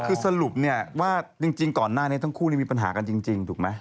คือสรุปเนี่ยว่าจริงก่อนหน้านี้ทั้งคู่มีปัญหากันจริงถูกไหม